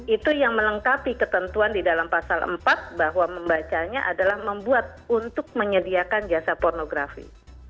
itu yang melengkapi ketentuan di dalam pasal empat bahwa membacanya adalah membuat untuk menyediakan jasa pornografi